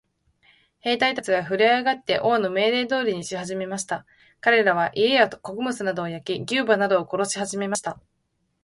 兵隊たちはふるえ上って、王の命令通りにしはじめました。かれらは、家や穀物などを焼き、牛馬などを殺しはじめました。